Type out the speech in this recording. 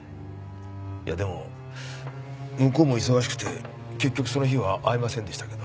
いやでも向こうも忙しくて結局その日は会えませんでしたけど。